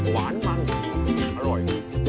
หวานมันอร่อย